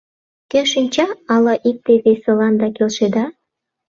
Кӧ шинча, ала икте-весыланда келшеда?